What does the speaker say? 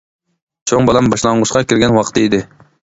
چوڭ بالام باشلانغۇچقا كىرگەن ۋاقتى ئىدى.